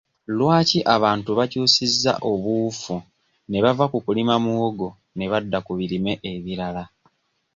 Lwaki abantu bakyusizza obuufu ne bava ku kulima muwogo ne badda ku birime ebirala?